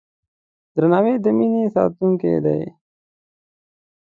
درناوی د مینې ساتونکی دی.